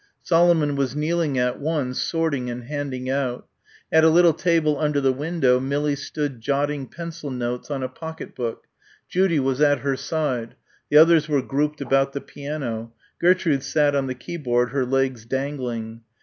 Solomon was kneeling at one, sorting and handing out. At a little table under the window Millie stood jotting pencil notes in a pocket book. Judy was at her side. The others were grouped about the piano. Gertrude sat on the keyboard her legs dangling.